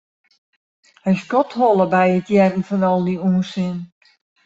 Hy skodholle by it hearren fan al dy ûnsin.